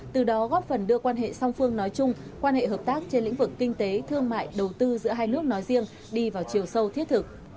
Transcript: từ đó góp phần đưa quan hệ song phương nói chung quan hệ hợp tác trên lĩnh vực kinh tế thương mại đầu tư giữa hai nước nói riêng đi vào chiều sâu thiết thực